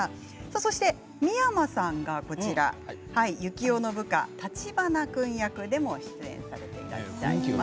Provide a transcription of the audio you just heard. そして三山さんが幸男の部下橘君役でも出演されているんです。